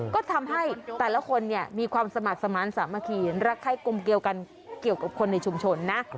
ก็ทำให้แต่ละคนเนี่ยมีความสมัครสมาร์ทสามัคคีรักไข้กลมเกี่ยวกันเกี่ยวกับคนในชุมชนนะ